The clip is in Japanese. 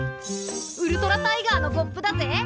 ウルトラタイガーのコップだぜ！